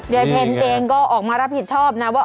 เพลเองก็ออกมารับผิดชอบนะว่า